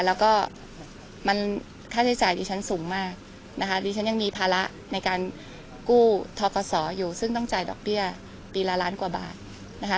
แล้วก็มันค่าใช้จ่ายดิฉันสูงมากนะคะดิฉันยังมีภาระในการกู้ทกศอยู่ซึ่งต้องจ่ายดอกเบี้ยปีละล้านกว่าบาทนะคะ